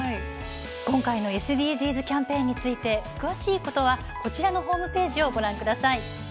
今回のＳＤＧｓキャンペーンについては詳しくことはこちらのホームページをご確認ください。